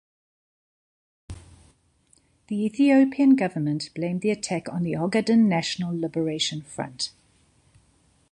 The Ethiopian government blamed the attack on the Ogaden National Liberation Front.